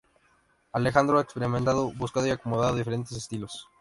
Alejandro ha experimentado, buscado y acomodado diferentes estilos.